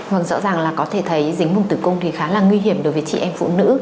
vâng rõ ràng là có thể thấy dính vùng tử cung thì khá là nguy hiểm đối với chị em phụ nữ